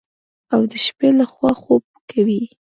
او د شپې لخوا خوب کوي.